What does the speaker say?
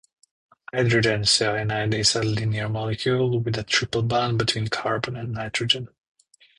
Hydrogen cyanide is a linear molecule, with a triple bond between carbon and nitrogen.